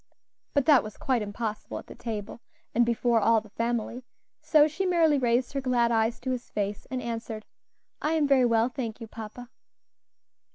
But that was quite impossible at the table, and before all the family; so she merely raised her glad eyes to his face and answered, "I am very well, thank you, papa."